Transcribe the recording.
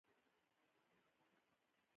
علم د بشري ستونزو د حل کيلي ده.